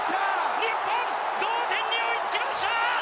日本、同点に追いつきました！